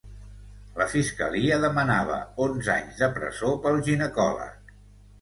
La fiscalia demanava onze anys de presó pel ginecòleg.